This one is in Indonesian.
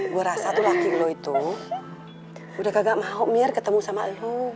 gue rasa tuh makin lo itu udah kagak mau biar ketemu sama lo